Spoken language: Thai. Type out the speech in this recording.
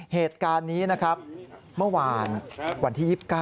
เหตุการณ์นี้นะครับเมื่อวานวันที่๒๙